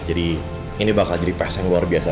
jadi ini bakal jadi pas yang luar biasa